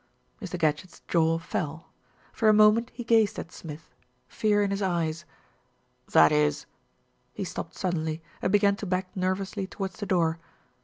Mr. Gadgett's jaw fell. For a moment he gazed at Smith, fear in his eyes. "That is " He stopped suddenly, and began to back nervously towards the door.